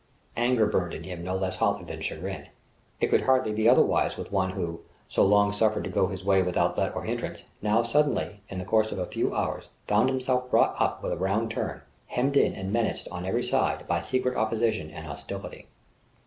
Anger burned in him no less hotly than chagrin. It could hardly be otherwise with one who, so long suffered to go his way without let or hindrance, now suddenly, in the course of a few brief hours, found himself brought up with a round turn hemmed in and menaced on every side by secret opposition and hostility.